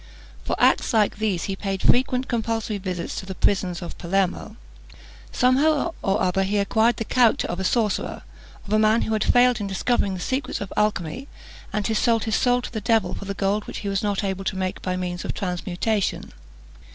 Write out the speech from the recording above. For acts like these, he paid frequent compulsory visits to the prisons of Palermo. Somehow or other he acquired the character of a sorcerer of a man who had failed in discovering the secrets of alchymy, and had sold his soul to the devil for the gold which he was not able to make by means of transmutation.